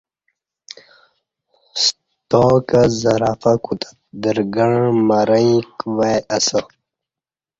ستا کہ زرافہ کوتت درگݩع مرہ ییک وای اسہ